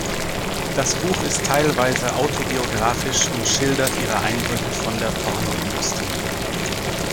Das Buch ist teilweise autobiografisch und schildert ihre Eindrücke von der Pornoindustrie.